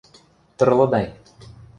– Тырлыдай.